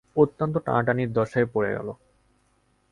অত্যন্ত টানাটানির দশায় পড়ে গেল।